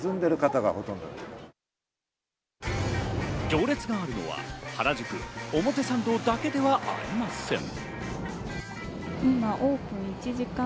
行列があるのは原宿・表参道だけではありません。